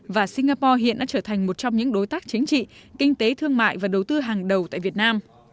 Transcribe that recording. và singapore hiện đã trở thành một trong những đối tác chính trị kinh tế thương mại và đầu tư hàng đầu tại việt nam